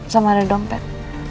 sama ada dompet